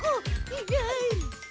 いない。